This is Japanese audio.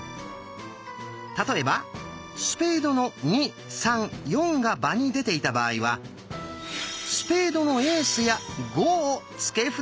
例えばスペードの「２」「３」「４」が場に出ていた場合は「スペードのエース」や「５」を付け札できます。